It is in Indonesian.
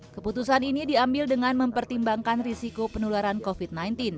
keputusan ini diambil dengan mempertimbangkan risiko penularan covid sembilan belas